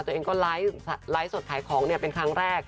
ตัวเองก็ไลฟ์สดขายของเป็นครั้งแรก